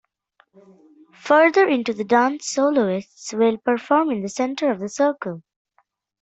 Further into the dance soloists will perform in the centre of the circle.